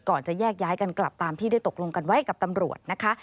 จะแยกย้ายกันกลับตามที่ได้ตกลงกันไว้กับตำรวจนะคะ